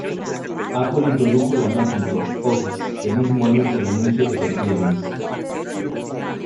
Apple introdujo la Macintosh Office el mismo año que el anuncio de los lemmings.